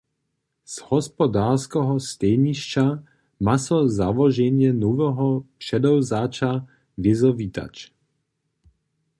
Z hospodarskeho stejnišća ma so załoženje noweho předewzaća wězo witać.